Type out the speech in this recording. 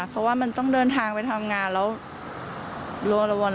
เพราะว่ามันต้องเดินทางไปทำงานแล้ว